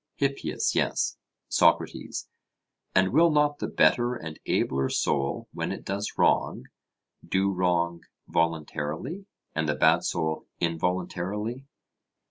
HIPPIAS: Yes. SOCRATES: And will not the better and abler soul when it does wrong, do wrong voluntarily, and the bad soul involuntarily?